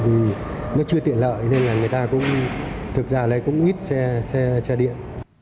vì nó chưa tiện lợi nên là người ta cũng thực ra lấy cũng ít xe điện